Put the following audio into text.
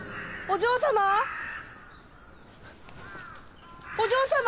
お嬢様！